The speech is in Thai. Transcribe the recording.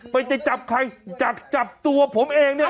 ไปจะจับใครอยากจับตัวผมเองเนี่ย